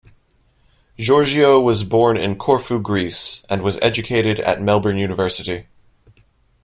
Georgiou was born in Corfu, Greece, and was educated at Melbourne University.